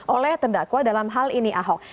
oleh terdakwa dalam hal ini ahok